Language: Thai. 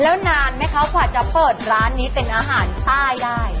แล้วนานไหมคะกว่าจะเปิดร้านนี้เป็นอาหารใต้ได้